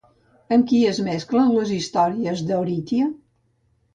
Amb qui es mesclen les històries d'Oritia?